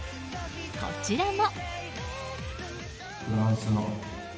こちらも。